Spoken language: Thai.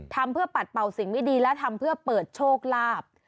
ทำเพื่อปัดเป่าสิ่งไม่ดีและทำเพื่อเปิดโชคลาภ